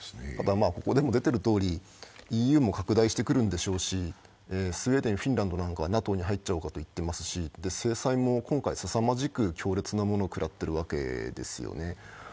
ただ、ここでも出ているとおり、ＥＵも拡大してくるのでしょうし、スウェーデン、フィンランドなんかはＮＡＴＯに入っちゃおうかと言っていますし、制裁も今回、すさまじく強烈なものを食らってるわけですよね。